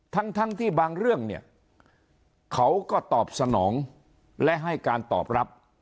ทั้งทั้งที่บางเรื่องเนี่ยเขาก็ตอบสนองและให้การตอบรับ